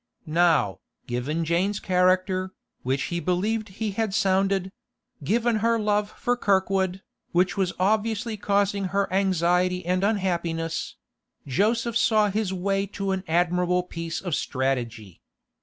Now, given Jane's character, which he believed he had sounded; given her love for Kirkwood, which was obviously causing her anxiety and unhappiness; Joseph saw his way to an admirable piece of strategy.